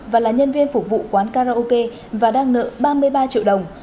và là nhân viên phục vụ quán karaoke và đang nợ ba mươi ba triệu đồng